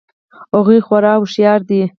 هغوی خورا هوښیار دي